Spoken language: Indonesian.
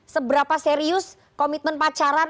seberapa serius komitmen pacaran